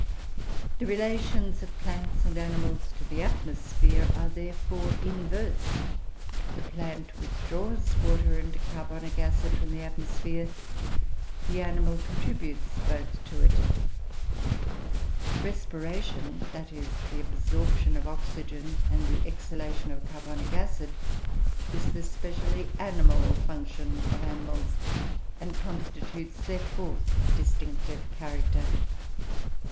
The relations of plants and animals to the atmosphere are therefore inverse. The plant withdraws water and carbonic acid from the atmosphere, the animal contributes both to it. Respiration that is, the absorption of oxygen and the exhalation of carbonic acid is the specially animal function of animals, and constitutes their fourth distinctive character.